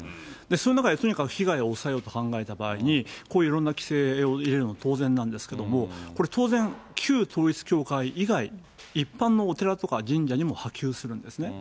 その中でとにかく被害を抑えようと考えた場合に、こういういろんな規制を入れるのは当然なんですけども、これ、当然、旧統一教会以外、一般のお寺とか神社にも波及するんですね。